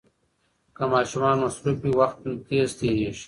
که ماشومان مصروف وي، وخت تېز تېریږي.